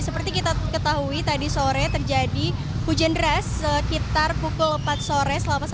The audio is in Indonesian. seperti kita ketahui tadi sore terjadi hujan deras sekitar pukul empat sore selama satu jam mengguyur kota bandung